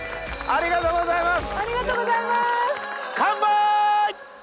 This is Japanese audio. ありがとうございます。